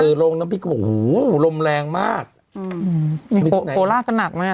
เออโรงน้ำพี่ก็บอกโหลมแรงมากอืมโคลาสก็หนักไหม